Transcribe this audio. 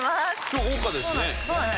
今日豪華ですね。